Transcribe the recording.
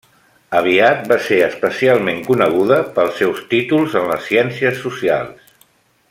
Aviat va ser especialment coneguda pels seus títols en les ciències socials.